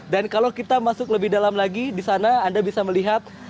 dan kalau kita masuk lebih dalam lagi di sana anda bisa melihat